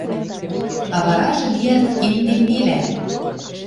А варажы лиӓлт кен тенгелӓ: